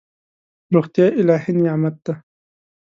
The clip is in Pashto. روغتیا الهي نعمت دی.